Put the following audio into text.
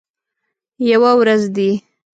یوه ورځ دي